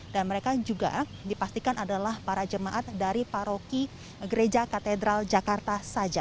dan mereka juga dipastikan adalah para jemaat dari paroki gereja katedral jakarta saja